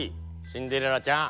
シンデレラちゃん。